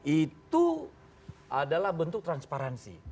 itu adalah bentuk transparansi